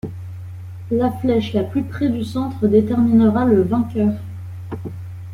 La flèche la plus près du centre déterminera le vainqueur.